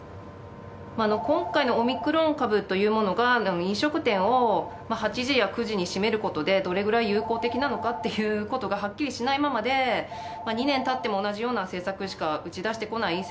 あの今回のオミクロン株というものが、飲食店を８時や９時に閉めることでどれぐらい有効的なのかっていうことがはっきりしないままで２年経っても同じような政策しか打ち出してこない